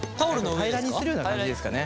平らにするような感じですかね。